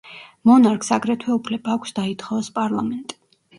მონარქს აგრეთვე უფლება აქვს დაითხოვოს პარლამენტი.